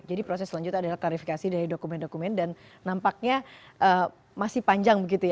jadi proses selanjutnya adalah klarifikasi dari dokumen dokumen dan nampaknya masih panjang begitu ya